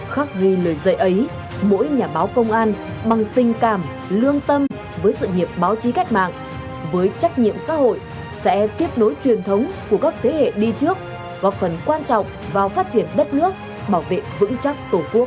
khắc ghi lời dạy ấy mỗi nhà báo công an bằng tình cảm lương tâm với sự nghiệp báo chí cách mạng với trách nhiệm xã hội sẽ tiếp nối truyền thống của các thế hệ đi trước góp phần quan trọng vào phát triển đất nước bảo vệ vững chắc tổ quốc